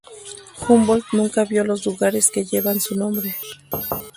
Humboldt nunca vio los lugares que llevan su nombre.